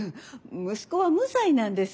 息子は無罪なんです。